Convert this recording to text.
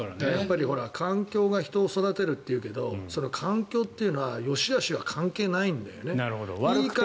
環境が人を育てるっていうけどその環境というのはよしあしは関係ないんだよね。